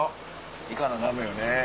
行かなダメよね。